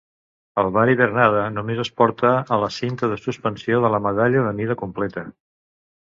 El bar "hivernada" només es porta a la cinta de suspensió de la Medalla de mida completa.